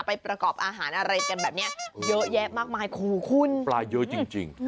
ประกอบอาหารอะไรกันแบบเนี้ยเยอะแยะมากมายโอ้โหคุณปลาเยอะจริงจริง